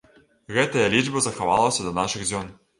Гэтая лічба захавалася да нашых дзён.